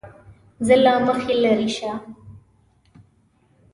زه له مخې لېرې شه!